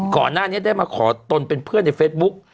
ก่อนหน้านี้ได้มาขอตนเป็นเพื่อนในเฟซบุ๊ก